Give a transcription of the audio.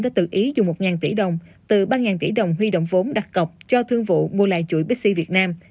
đã tự ý dùng một tỷ đồng từ ba tỷ đồng huy động vốn đặt cọc cho thương vụ mua lại chuỗi bixi việt nam